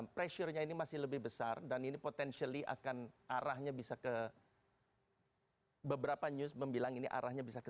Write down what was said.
pressure nya ini masih lebih besar dan ini potentially akan arahnya bisa ke beberapa news membilang ini arahnya bisa ke